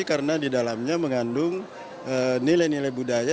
karena di dalamnya mengandung nilai nilai budaya